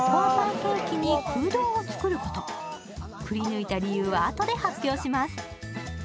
くり抜いた理由はあとで発表します。